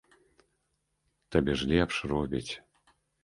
Табе ж лепш робяць.